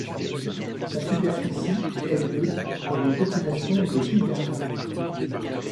Sa superficie est de pour une population de Gilbertins.